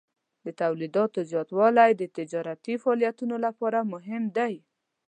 د تولیداتو زیاتوالی د تجارتي فعالیتونو لپاره مهم دی.